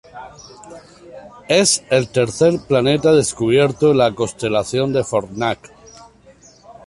Es el tercer planeta descubierto en la constelación de Fornax.